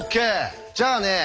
じゃあね